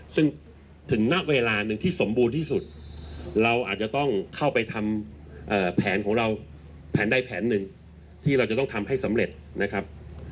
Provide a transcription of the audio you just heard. ซึ่งถึงณเวลาหนึ่งที่สมบูรณ์ที่สุดเราอาจจะต้องเข้าไปทำแผนของเราแผนใดแผนหนึ่งที่เราจะต้องทำให้สำเร็จนะครับ